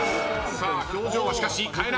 表情はしかし変えない。